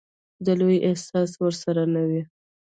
د لويي احساس ورسره نه وي.